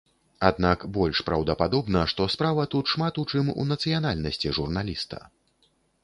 Аднак больш праўдападобна, што справа тут шмат у чым у нацыянальнасці журналіста.